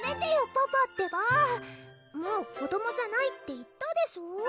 パパってばもう子どもじゃないって言ったでしょ